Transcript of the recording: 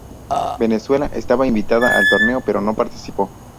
Venezuela estaba invitada al torneo, pero no participó.